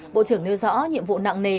bộ trưởng nêu rõ nhiệm vụ nặng nề